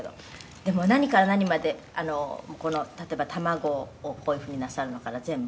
「でも何から何までこの例えば卵をこういうふうになさるのから全部？」